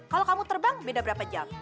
kalau kamu terbang beda berapa jam